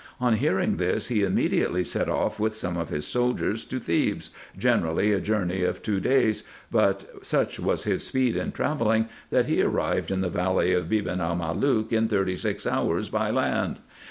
On hearing this, he immediately set off with some of Iris soldiers to Thebes, generally a journey of two days, but such was his speed in travelling, that he arrived in the valley of Beban el Malook in thirty six hours by land.